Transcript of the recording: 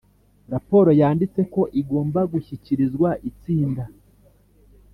raporo yanditse ko igomba gushyikirizwa itsinda